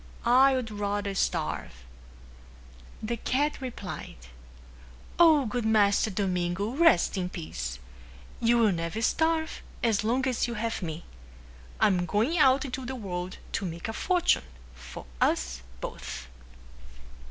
I would rather starve." The cat replied, "O good master Domingo, rest in peace. You will never starve as long as you have me. I am going out into the world to make a fortune for us both."